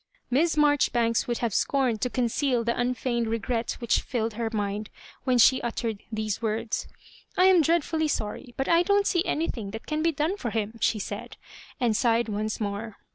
Miss MariiHibanks would have scorned to conceal the unfeigned regret which filled her mind when she uttered these words. ''I am dreadfully sorry, but I don't see anything that can be done for him," she said, and sighed once more.